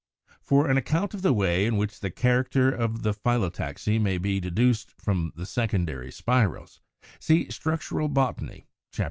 For an account of the way in which the character of the phyllotaxy may be deduced from the secondary spirals, see Structural Botany, Chapter IV.